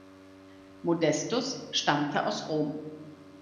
Modestus stammte aus Rom.